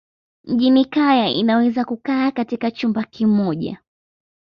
Mjini kaya inaweza kukaa katika chumba kimoja.